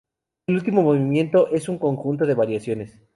El último movimiento es un conjunto de variaciones.